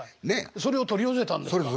それ取り寄せたんです。